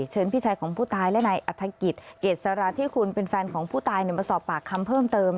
พี่ชายของผู้ตายและนายอัฐกิจเกษราธิคุณเป็นแฟนของผู้ตายมาสอบปากคำเพิ่มเติม